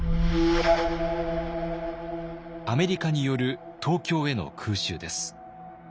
アメリカによる東京への空襲です。